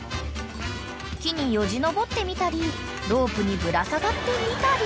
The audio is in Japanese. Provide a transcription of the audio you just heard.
［木によじ登ってみたりロープにぶら下がってみたり］